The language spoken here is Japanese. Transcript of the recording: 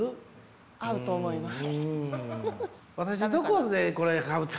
合うと思います。